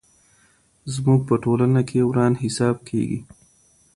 زموږ په ټولنه کي وران حساب کېږي.